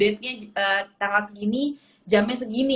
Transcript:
tanggal segini jamnya segini